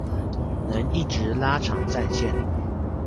能一直拉長戰線